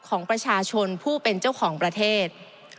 ของประชาชนผู้เป็นเจ้าของประเทศ